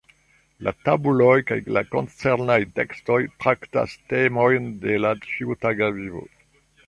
La tabuloj kaj la koncernaj tekstoj traktas temojn de la ĉiutaga vivo.